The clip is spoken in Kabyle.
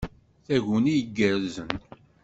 Taguni igerrzen!